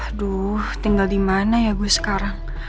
aduh tinggal di mana ya bu sekarang